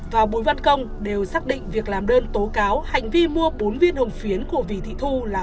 và bùi văn công đều xác định việc làm đơn tố cáo hành vi mua bốn viên hồng phiến của vì thị thu là